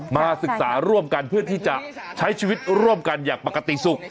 มาศึกษาร่วมกันเพื่อที่จะใช้ชีวิตร่วมกันอย่างปกติสุข